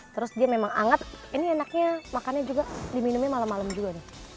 terus dia memang anget ini enaknya makannya juga diminumnya malam malam juga nih